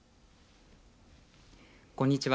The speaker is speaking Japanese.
こんにちは。